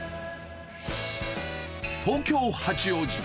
東京・八王子。